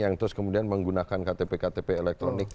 yang terus kemudian menggunakan ktp ktp elektronik